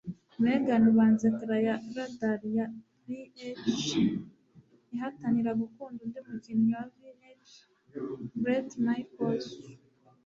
Megan ubanza ecran ya radar ya VH ihatanira gukunda undi mukinnyi wa VH, Bret Michaels.